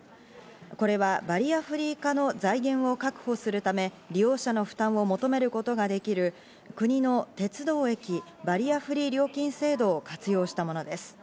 これはバリアフリー化の財源を確保するため、利用者の負担を求めることができる国の鉄道駅バリアフリー料金制度を活用したものです。